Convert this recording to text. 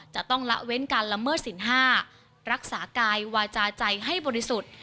จะต้องละเว้นการละเมิดสินห้ารักษากายวาจาใจให้บริสุทธิ์